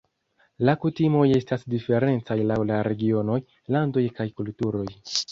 La kutimoj estas diferencaj laŭ la regionoj, landoj kaj kulturoj.